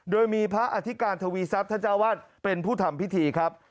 โดยมีพระอธิการทวีทรัพย์ท่านเจ้าวาดเป็นผู้ทำพิธีครับ